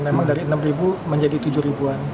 memang dari enam menjadi tujuh an